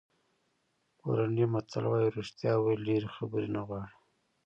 پولنډي متل وایي رښتیا ویل ډېرې خبرې نه غواړي.